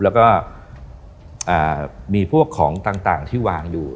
แล้วก็มีพวกของต่างที่วางอยู่